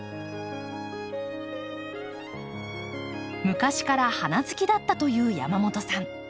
昔から花好きだったという山本さん。